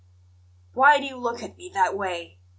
Why do you look at me that way?